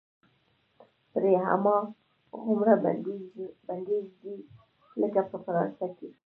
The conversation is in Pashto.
پرې هماغومره بندیز دی لکه په فرانسه کې.